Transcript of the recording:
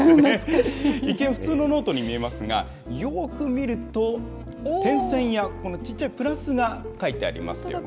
一見、普通のノートに見えますが、よーく見ると、点線や、このちっちゃいプラスが書いてありますよね。